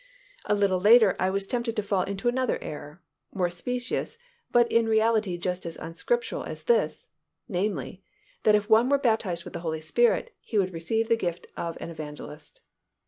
A little later I was tempted to fall into another error, more specious but in reality just as unscriptural as this, namely, that if one were baptized with the Holy Spirit, he would receive the gift of an evangelist.